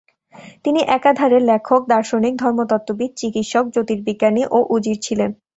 তিনি একাধারে লেখক, দার্শনিক, ধর্মতত্ত্ববিদ, চিকিৎসক, জ্যোতির্বিজ্ঞানী ও উজির ছিলেন।